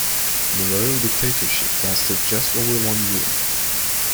The royal dictatorship lasted just over one year.